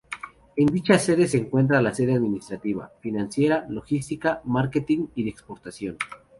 En dicha sede se encuentra la sede administrativa, financiera, logística, marketing y de exportación.